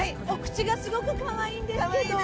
お口がすごくかわいいんですけど。